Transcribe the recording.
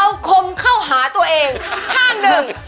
เอาคมเข้าหาตัวเองข้างหนึ่ง